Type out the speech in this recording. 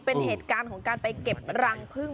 เป็นเหตุการณ์ของการไปเก็บรังพึ่ง